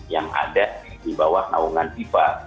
yang ada di bawah naungan fifa